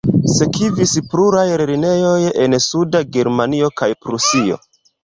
Sekvis pluraj lernejoj en suda Germanio kaj Prusio.